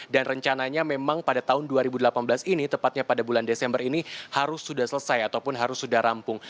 dan rencananya memang pada tahun dua ribu delapan belas ini tepatnya pada bulan desember ini harus sudah selesai ataupun harus sudah rampung